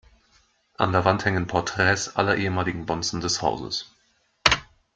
An der Wand hängen Porträts aller ehemaligen Bonzen des Hauses.